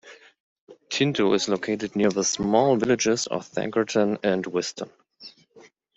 Tinto is located near the small villages of Thankerton and Wiston.